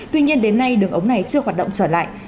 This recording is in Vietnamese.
tuy nhiên đến nay đường ống này chưa hoạt động trở lại